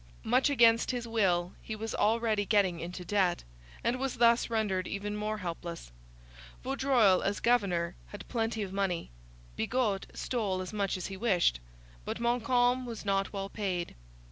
Much against his will he was already getting into debt, and was thus rendered even more helpless. Vaudreuil, as governor, had plenty of money. Bigot stole as much as he wished. But Montcalm was not well paid.